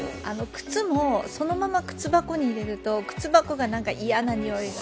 靴もそのまま靴箱に入れると靴箱も嫌なにおいが。